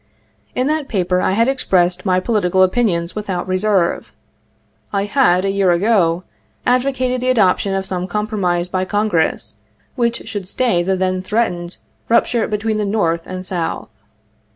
In that paper I had expressed my political opinions without reserve. I had, a year ago, advocated the adoption of some compromise by Congress which should stay the then threatened rupture between the North and South.